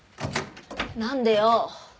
何でよ？